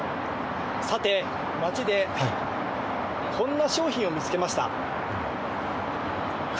さて、街でこんな商品を見つけました。